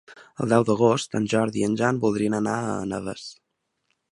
El deu d'agost en Jordi i en Jan voldrien anar a Navès.